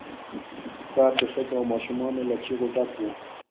ښار د ښځو او ماشومان له چيغو ډک وو.